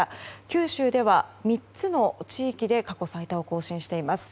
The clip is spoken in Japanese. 九州では３つの地域で過去最多を更新しています。